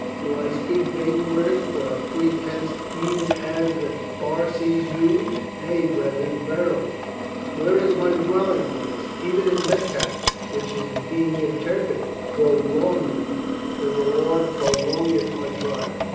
"Do I speak vain words for a pretense, even as the Pharisees use? Nay, brethren, verily. Where is my dwelling place? Even in Meshec, which is be ing interpreted, 'Prolonging,' for the Lord prolong eth my trial.